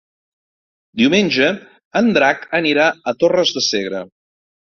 Diumenge en Drac anirà a Torres de Segre.